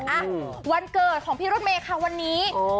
อ่ะวันเกิดของพี่รถเมย์ค่ะวันนี้